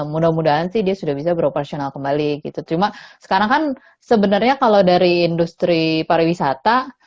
mudah mudahan sih dia sudah bisa beroperasional kembali gitu cuma sekarang kan sebenarnya kalau dari industri pariwisata